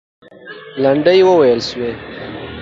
لنډۍ وویل سوې.